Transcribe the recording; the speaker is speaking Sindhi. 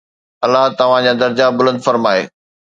الله اوهان جا درجات بلند فرمائي.